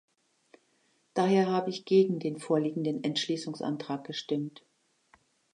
Daher habe ich gegen den vorliegenden Entschließungsantrag gestimmt.